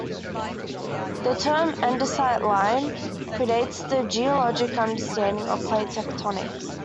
The term "andesite line" predates the geologic understanding of plate tectonics.